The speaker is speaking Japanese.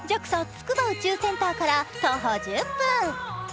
つくば宇宙センターから徒歩１０分。